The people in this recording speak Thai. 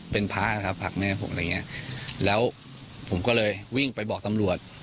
เป็นพระนะครับผักแม่ผมแล้วผมก็เลยวิ่งไปบอกสำรวจ